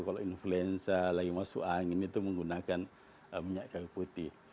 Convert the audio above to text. kalau influenza lagi masuk angin itu menggunakan minyak kayu putih